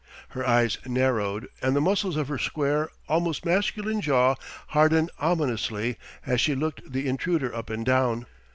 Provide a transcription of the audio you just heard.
Her eyes narrowed and the muscles of her square, almost masculine jaw hardened ominously as she looked the intruder up and down.